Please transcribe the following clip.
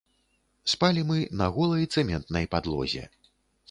Спалі мы на голай цэментнай падлозе.